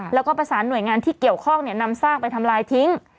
แล้วก็ภาษาหน่วยงานที่เกี่ยวโครกเนี่ยนำสร้างไปทำลายทิ้ง